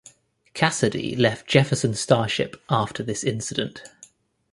Casady left Jefferson Starship after this incident.